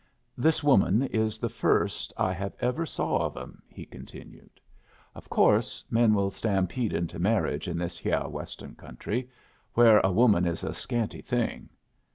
"This woman is the first I have ever saw of 'em," he continued. "Of course men will stampede into marriage in this hyeh Western country, where a woman is a scanty thing.